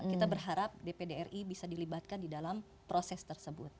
kita berharap dpd ri bisa dilibatkan di dalam proses tersebut